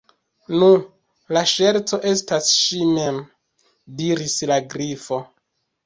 "Nu, la ŝerco estas ŝi_ mem," diris la Grifo.